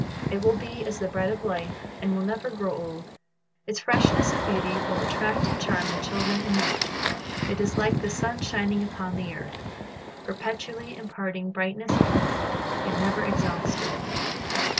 It will be as the bread of life, and will never grow old. Its freshness and beauty will attract and charm the children and youth. It is like the sun shining upon the earth, perpetually imparting brightness and warmth, yet never exhausted.